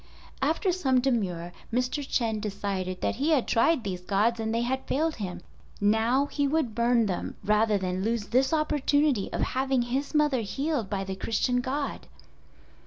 After some demur Mr. Chen decided that he had tried these gods and they had failed him, now he would burn them rather than lose this opportunity of having his mother healed by the Christian God!